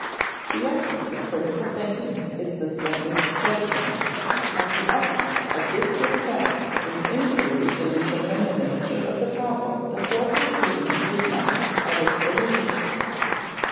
The essence of critical thinking is suspended judgment; and the essence of this suspense is inquiry to determine the nature of the problem before proceeding to attempts at its solution.